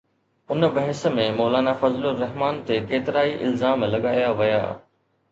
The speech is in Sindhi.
ان بحث ۾ مولانا فضل الرحمان تي ڪيترائي الزام لڳايا ويا.